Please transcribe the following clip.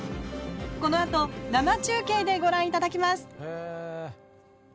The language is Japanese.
このあと生中継でご覧いただきます！